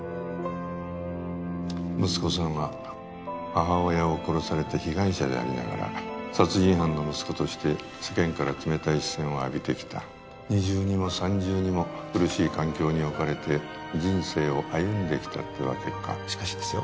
息子さんは母親を殺されて被害者でありながら殺人犯の息子として世間から冷たい視線を浴びてきた二重にも三重にも苦しい環境に置かれて人生を歩んできたってわけかしかしですよ